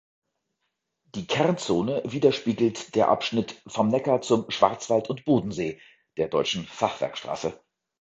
Die Kernzone widerspiegelt der Abschnitt „Vom Neckar zum Schwarzwald und Bodensee“ der Deutschen Fachwerkstraße.